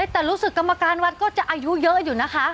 แต่รู้สึกกรรมการวัดก็จะอายุเยอะอยู่นะคะ